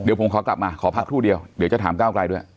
เดี๋ยวผมขอกลับมาขอพักครู่เดียวเดี๋ยวจะถามก้าวไกลด้วย